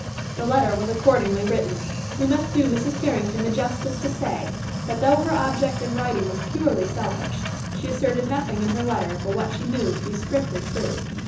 The letter was accordingly written. We must do Mrs. Carrington the justice to say that though her object in writing was purely selfish, she asserted nothing in her letter but what she knew to be strictly true.